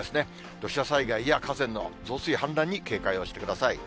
土砂災害や河川の増水、氾濫に警戒をしてください。